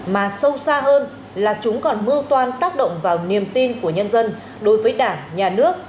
mà sâu xa hơn là chúng còn mưu toan tác động vào niềm tin của nhân dân đối với đảng nhà nước